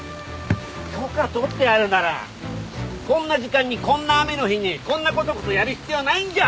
許可取ってあるならこんな時間にこんな雨の日にこんなこそこそやる必要ないんじゃ！？